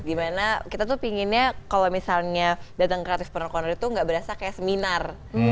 dimana kita tuh pinginnya kalau misalnya datang creative part corner itu gak berasa kayak seminar